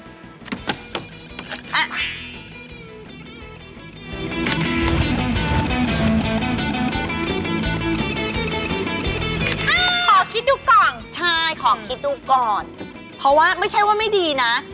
ขอคิดดูก่อนใช่ขอคิดดูก่อนเพราะว่าไม่ใช่ว่าไม่ดีนะ